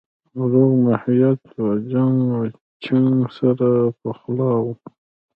روغ محیط و جنګ او چنګ سره پخلا وو